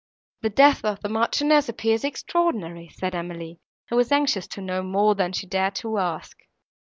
"The death of the Marchioness appears extraordinary," said Emily, who was anxious to know more than she dared to ask.